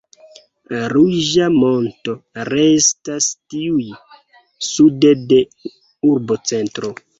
Ruĝa Monto restas tuj sude de urbocentro.